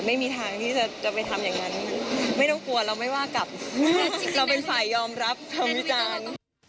ไม่มีทางที่จะไปทำอย่างนั้นไม่ต้องกลัวเราไม่ว่ากับเราเป็นฝ่ายยอมรับคำวิจารณ์